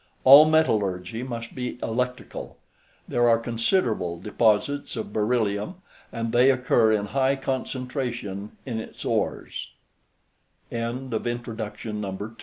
All metallurgy must be electrical. There are considerable deposits of beryllium, and they occur in high concentration in its ores.